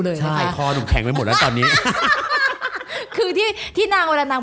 ลูกตาใช่คอเดินแต่ง